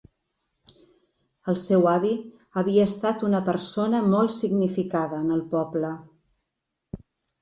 El seu avi havia estat una persona molt significada en el poble.